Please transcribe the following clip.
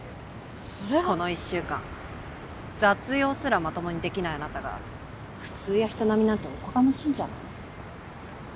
それはこの１週間雑用すらまともにできないあなたが普通や人並みなんておこがましいんじゃない？